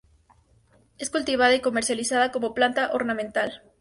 Es cultivada y comercializada como planta ornamental.